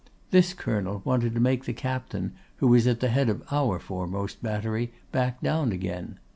This colonel wanted to make the captain who was at the head of our foremost battery back down again.